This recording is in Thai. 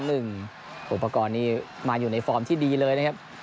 อุปกรณ์นี้มาอยู่ในฟอร์มที่ดีเลยนะครับ